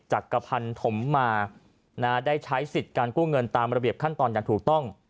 จักรพันธมมาได้ใช้สิทธิ์การกู้เงินตามระเบียบขั้นตอนอย่างถูกต้อง